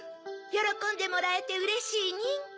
よろこんでもらえてうれしいニン。